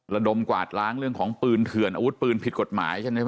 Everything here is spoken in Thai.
ระดมกวาดล้างเรื่องของปืนเถื่อนอาวุธปืนผิดกฎหมายใช่ไหม